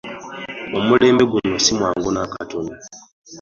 Omulembe guno si mwangu n'akatono.